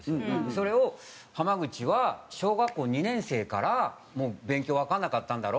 それを「濱口は小学校２年生から勉強わかんなかったんだろう？」っつって。